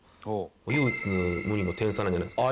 唯一無二の天才なんじゃないですか。